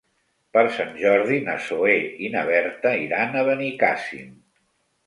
Per Sant Jordi na Zoè i na Berta iran a Benicàssim.